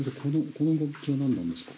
この楽器は何なんですか？